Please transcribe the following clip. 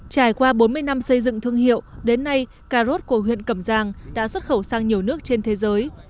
trải qua bốn mươi năm xây dựng thương hiệu đến nay cà rốt của huyện cẩm giang đã xuất khẩu sang nhiều nước trên thế giới